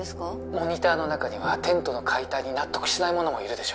モニターの中にはテントの解体に納得しない者もいるでしょう